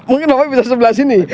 mungkin bisa sebelah sini